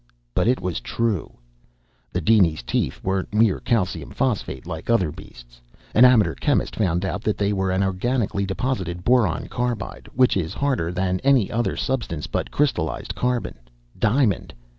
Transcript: But it was true. The dinies' teeth weren't mere calcium phosphate, like other beasts. An amateur chemist found out that they were an organically deposited boron carbide, which is harder than any other substance but crystallized carbon diamond.